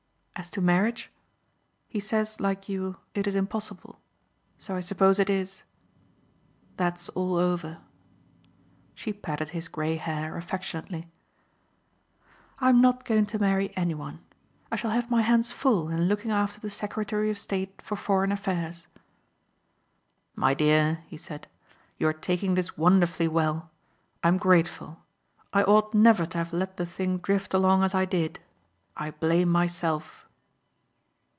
As to marriage he says like you it is impossible so I suppose it is. That's all over." She patted his gray hair affectionately. "I'm not going to marry anyone. I shall have my hands full in looking after the Secretary of State for Foreign Affairs." "My dear," he said, "you are taking this wonderfully well. I'm grateful. I ought never to have let the thing drift along as I did. I blame myself."